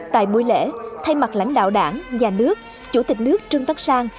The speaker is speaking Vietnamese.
tại buổi lễ thay mặt lãnh đạo đảng nhà nước chủ tịch nước trương tấn sang